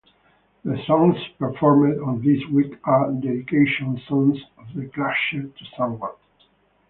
The songs performed on this week are "Dedication" songs of the clashers to someone.